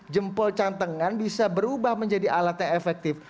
jempol cantengan bisa berubah menjadi alat yang efektif